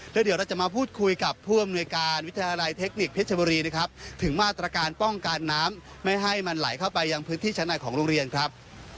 แล้วเดี๋ยวเราจะมาพูดคุยกับผู้อำนวยการวิทยาลัยเทคนิคเพชรบุรีนะครับถึงมาตรการป้องกันน้ำไม่ให้มันไหลเข้าไปยังพื้นที่ชั้นในของโรงเรียนครับ